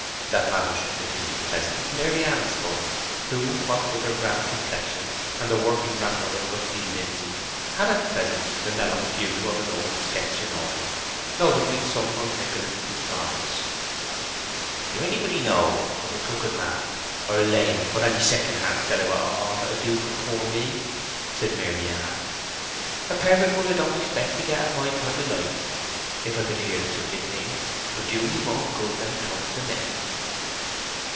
That matters should continue pleasant Maryann spoke, who, what with her brown complexion, and the working wrapper of rusty linsey, had at present the mellow hue of an old sketch in oils—notably some of Nicholas Poussin's:— "Do anybody know of a crooked man, or a lame, or any second hand fellow at all that would do for poor me?" said Maryann. "A perfect one I don't expect to get at my time of life. If I could hear of such a thing 'twould do me more good than toast and ale."